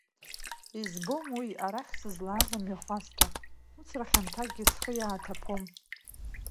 Избом уи, арахь сызлааз амҩахәасҭа, хәыцра хьанҭакгьы схы иааҭаԥом.